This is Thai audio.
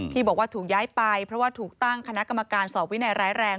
บอกว่าถูกย้ายไปเพราะว่าถูกตั้งคณะกรรมการสอบวินัยร้ายแรง